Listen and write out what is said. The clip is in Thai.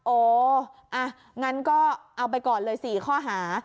โอ้อ่ะงั้นก็เอาไปก่อนเลย๔ข้อหา